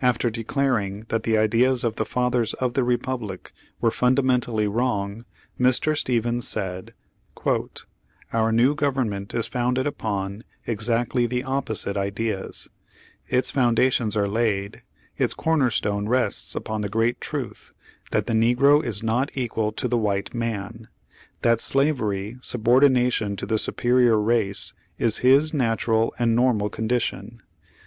After declar ing that the ideas of the fathers of the Republic were "fundamentally wrong," Mr. Stephen said: "Our new government is founded upon exactly the opposite ideas; its foundations are laid, its corner stone rests upon the great truth that the negro is not equal to the white man; that Slavery, subordination to the superior race, is his natural and normal condition.